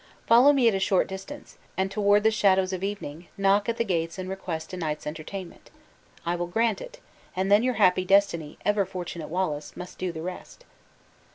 Follow me at a short distance, and toward the shadows of evening, knock at the gates and request a night's entertainment. I will grant it, and then your happy destiny, ever fortunate Wallace, must do the rest."